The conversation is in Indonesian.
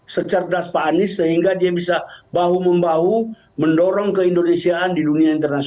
secerdas pak anies sehingga dia bisa bahu membahu mendorong keindonesiaan di dunia internasional